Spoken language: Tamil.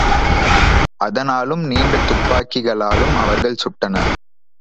அதனாலும் நீண்ட துப்பக்கிகளாலும் அவர்கள் சுட்டனர்.